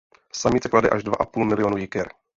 Samice klade až dva a půl milionu jiker.